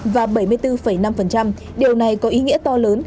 bảy mươi hai năm và bảy mươi bốn năm điều này có ý nghĩa to lớn